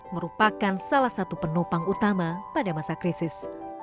merupakan salah satu penopang utama pada masa krisis